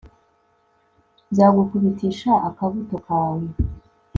nzagukubitisha akabuto kawe